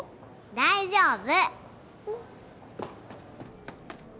大丈夫。